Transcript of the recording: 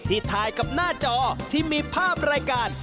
ถ่ายกับหน้าจอที่มีภาพรายการ